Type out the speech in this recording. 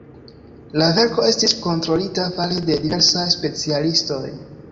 La verko estis kontrolita fare de diversaj specialistoj.